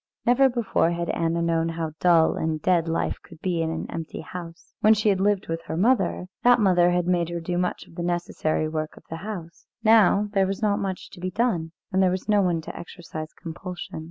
Never before had Anna known how dull and dead life could be in an empty house. When she had lived with her mother, that mother had made her do much of the necessary work of the house; now there was not much to be done, and there was no one to exercise compulsion.